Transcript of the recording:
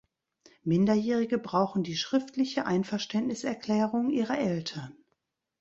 Minderjährige brauchen die schriftliche Einverständniserklärung ihrer Eltern.